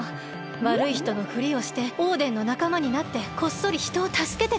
わるいひとのふりをしてオーデンのなかまになってこっそりひとをたすけてた。